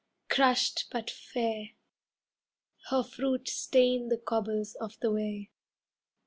Crushed but fair, Her fruit stained the cobbles of the way.